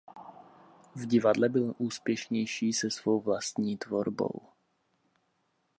V divadle byl úspěšnější se svou vlastní tvorbou.